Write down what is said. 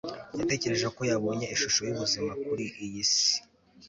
yatekereje ko yabonye ishusho yubuzima kuri iyi si